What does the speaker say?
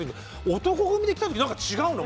男闘呼組で来た時何か違うの。